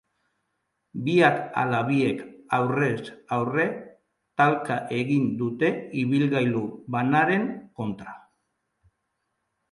Biak ala biek aurrez aurre talka egin dute ibilgailu banaren kontra.